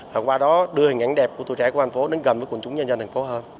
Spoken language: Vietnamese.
và qua đó đưa hình ảnh đẹp của tuổi trẻ của thành phố đến gần với quần chúng nhân dân thành phố hơn